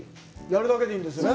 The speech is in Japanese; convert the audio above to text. やるだけでいいんですね。